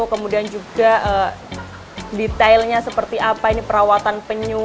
kemudian juga detailnya seperti apa ini perawatan penyu